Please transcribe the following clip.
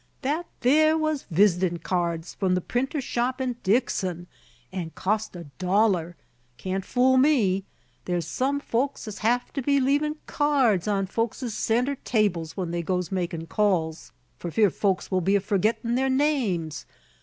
"That there was vis'tin' keerds from the printer's shop in Dixon, an' cost a dollar; can't fool me! There's some folks as hev to be leavin' keerds on folks's centre tables when they goes makin' calls, for fear folks will be a forgettin' their names.